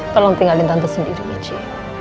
tolong tinggalin tante sendiri ici